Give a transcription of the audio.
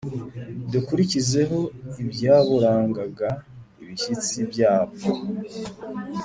dukurikizeho ibyaburangaga ibishyitsi byabwo